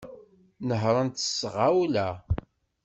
Nehhṛent s tɣawla.